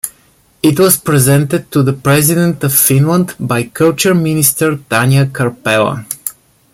It was presented to the President of Finland by Culture Minister Tanja Karpela.